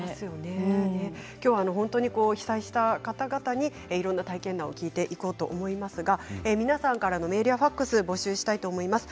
きょうは被災した方々にいろいろな体験談も聞いていこうと思いますが皆さんからのメールやファックス募集したいと思います。